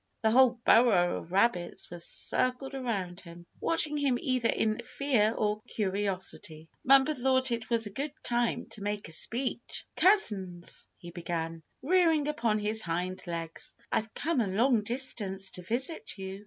The whole burrow of rabbits was circled around him, watching him either in fear or curiosity. Bumper thought it was a good time to make a speech. "Cousins," he began, rearing upon his hind legs, "I've come a long distance to visit you.